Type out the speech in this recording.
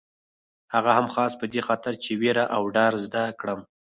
هغه هم خاص په دې خاطر چې وېره او ډار زده کړم.